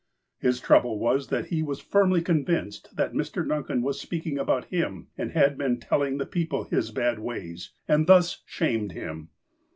His trouble was that he was firmly convinced that Mr. Duncan was speaking about Mm, and had been telling the l^eople his bad ways, and thus "shamed" him.